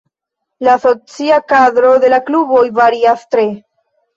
La socia kadro de la kluboj varias tre.